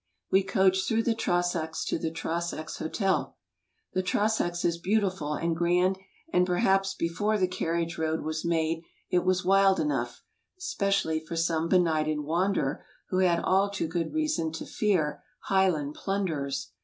We coached through the Trossachs to the Trossachs hotel. The Trossachs is beaudful and grand and perhaps before the carriage road was made it was wild enough, especially for some benighted wanderer who had all too good reason to fear "Highland plunderers."